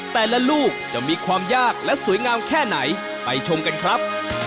แต่ละลูกจะมีความยากและสวยงามแค่ไหนไปชมกันครับ